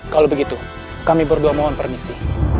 kalau begitu kami berdua mohon permisi